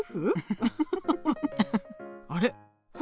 あれ？